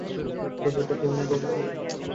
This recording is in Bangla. তবে এটা কি এমনি ভাবেই চলবে?